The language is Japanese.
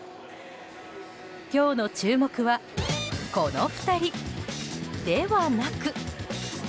今日の注目はこの２人ではなく。